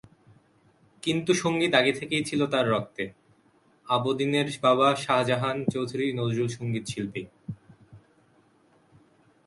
কিন্তু সংগীত আগে থেকেই ছিল তাঁর রক্তে—আবদীনের বাবা শাহজাহান চৌধুরী নজরুলসংগীত শিল্পী।